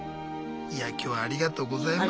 いや今日はありがとうございました。